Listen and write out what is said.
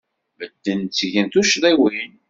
Medden ttgen tuccḍiwin.